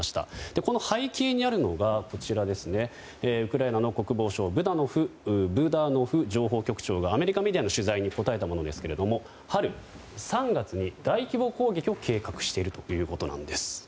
この背景にあるのがウクライナの国防省ブダノフ情報局長がアメリカメディアの取材に答えたものですけれども春、３月に大規模攻撃を計画しているというんです。